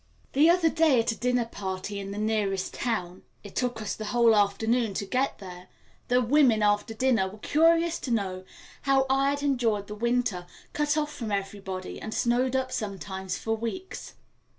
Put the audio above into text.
The other day at a dinner party in the nearest town (it took us the whole afternoon to get there) the women after dinner were curious to know how I had endured the winter, cut off from everybody and snowed up sometimes for weeks.